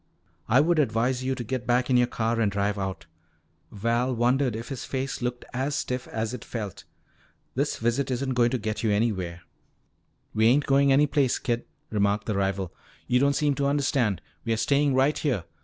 "I would advise you to get back in your car and drive out." Val wondered if his face looked as stiff as it felt. "This visit isn't going to get you anywhere." "We ain't goin' any place, kid," remarked the rival. "You don't seem to understand. We're stayin' right here.